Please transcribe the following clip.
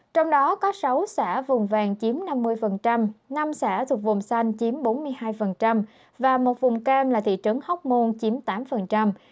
trong đó có sáu xã vùng vàng chiếm năm mươi năm xã thuộc vùng xanh chiếm bốn mươi hai và một vùng cam là thị trấn hóc môn chiếm tám